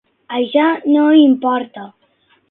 Això no importa.